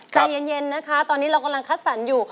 ใจเย็นนะคะตอนนี้เรากำลังคัดสรรอยู่